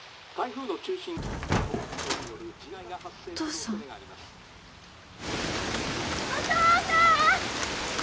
お父さん！